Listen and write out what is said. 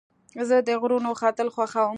زه د غرونو ختل خوښوم.